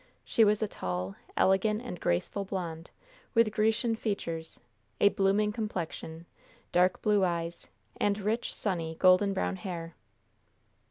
She was a tall, elegant and graceful blonde, with Grecian features, a blooming complexion, dark blue eyes, and rich, sunny, golden brown hair.